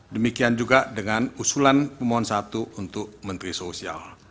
demikian juga dengan usulan pemohon satu untuk menteri sosial